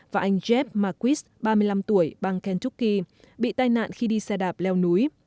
và anh jeff marquis ba mươi năm tuổi bang kentucky bị tai nạn khi đi xe đạp leo núi